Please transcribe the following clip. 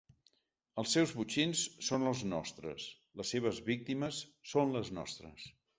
Els seus botxins són els nostres, les seves víctimes són les nostres.